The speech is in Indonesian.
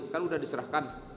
kan sudah diserahkan